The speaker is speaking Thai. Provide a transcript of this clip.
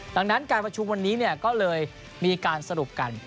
ดังนั้นคุณผจญวันนี้ก็เลยมีการสรุปกัน